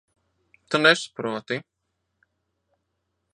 Tu nesaproti.